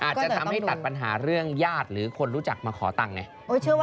จะถามให้ตัดปัญหาเรื่องญาติหรือคนรู้จักมาขอตังเนี่ย